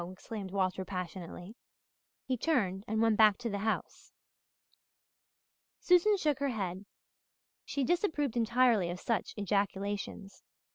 exclaimed Walter passionately. He turned and went back to the house. Susan shook her head. She disapproved entirely of such ejaculations.